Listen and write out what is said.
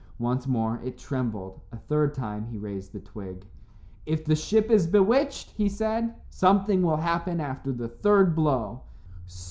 Once more it trembled. A third time he raised the twig. "If the ship is bewitched," he said, "something will happen after the third blow."